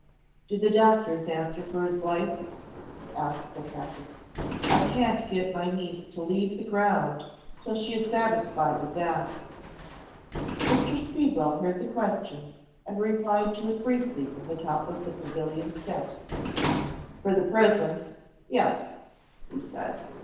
"Do the doctors answer for his life?" asked the captain. "I can't get my niece to leave the ground till she is satisfied of that." Mr. Speedwell heard the question and replied to it briefly from the top of the pavilion steps. "For the present yes," he said.